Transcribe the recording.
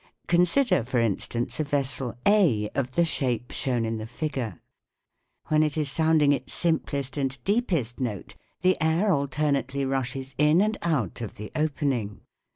Con sider, for instance, a vessel A of the shape shown in the figure. When it is sounding its simplest and deepest note the air alternately rushes in and out of the opening.